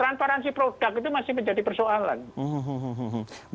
transparansi produk itu masih menjadi persoalan